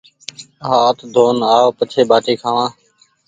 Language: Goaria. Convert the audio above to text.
هآٿ ڌون آو پڇي ٻآٽي کآوآن